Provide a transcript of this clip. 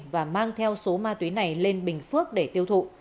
và mang theo số ma túy này lên bình phước để tiêu thụ